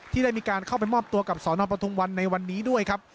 ได้มีการเข้าไปมอบตัวกับสนปทุมวันในวันนี้ด้วยครับ